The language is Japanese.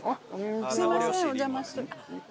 すいませんお邪魔。